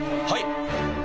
はい。